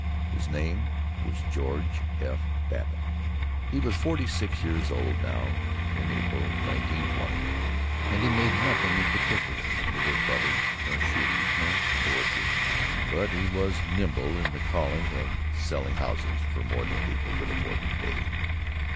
His name was George F. Babbitt. He was forty six years old now, in April, 1920, and he made nothing in particular, neither butter nor shoes nor poetry, but he was nimble in the calling of selling houses for more than people could afford to pay.